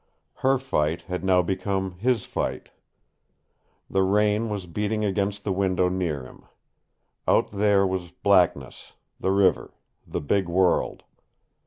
Her fight had now become his fight. The rain was beating against the window near him. Out there was blackness, the river, the big world.